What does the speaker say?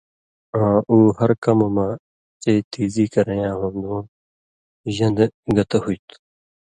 آں اُو ہر کمہۡ مہ چئ تیزی کرَیں یاں ہُون٘دُوں ژن٘دہۡ گتہ ہُوئ تُھو